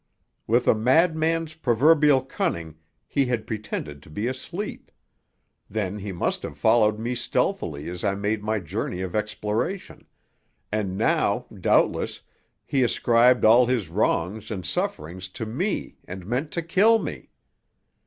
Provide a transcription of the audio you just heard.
With a madman's proverbial cunning he had pretended to be asleep; then he must have followed me stealthily as I made my journey of exploration; and now, doubtless, he ascribed all his wrongs and sufferings to me and meant to kill me.